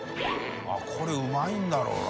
△これうまいんだろうな。